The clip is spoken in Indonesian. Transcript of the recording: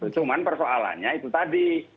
cuman persoalannya itu tadi